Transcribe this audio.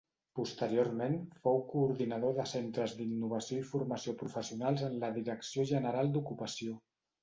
Posteriorment fou coordinador de centres d'innovació i formació professionals en la Direcció General d'Ocupació.